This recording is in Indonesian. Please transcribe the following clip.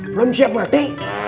belum siap mati